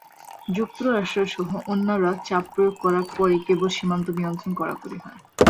যুক্তরাষ্ট্রসহ অন্যরা চাপ প্রয়োগ করার পরই কেবল সীমান্ত নিয়ন্ত্রণ কড়াকড়ি হয়।